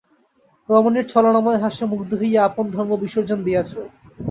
রমণীর ছলনাময় হাস্যে মুগ্ধ হইয়া আপন ধর্ম বিসর্জন দিয়াছ।